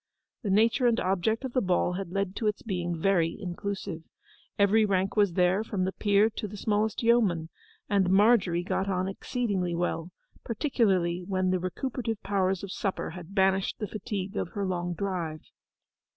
The nature and object of the ball had led to its being very inclusive. Every rank was there, from the peer to the smallest yeoman, and Margery got on exceedingly well, particularly when the recuperative powers of supper had banished the fatigue of her long drive.